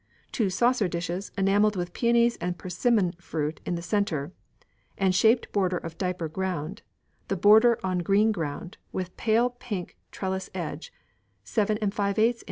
Two saucer dishes, enamelled with peonies and persimmon fruit in the centre, and shaped border of diaper ground, the border on green ground, with pale pink trellis edge, 7ŌģØ in.